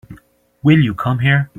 Will you come here?